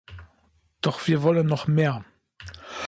Doch wir wollen noch mehr.